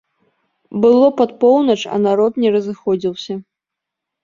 Было пад поўнач, а народ не разыходзіўся.